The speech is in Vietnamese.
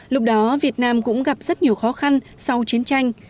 lúc đó việt nam cũng gặp rất nhiều khó khăn sau chiến tranh